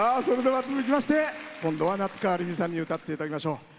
それでは続きまして今度は夏川りみさんに歌っていただきましょう。